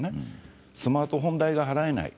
スマートフォン代が払えない。